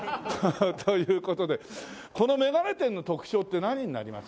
ハハッ！という事でこのメガネ店の特徴って何になります？